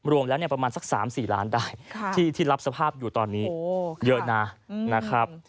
รวมแล้วประมาณสัก๓๔ล้านได้ที่รับสภาพอยู่ตอนนี้เยอะนะครับ